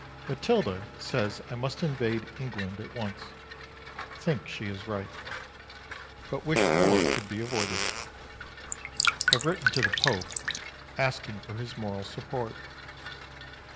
Matilda says I must invade England at once. Think she is right. But wish war could be avoided. Have written to the Pope asking for his moral support.